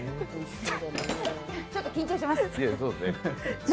ちょっと緊張してます。